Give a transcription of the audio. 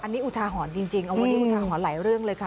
อันนี้อุทาหรณ์จริงวันนี้อุทาหรณ์หลายเรื่องเลยค่ะ